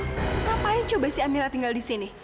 ngapain coba si amira tinggal di sini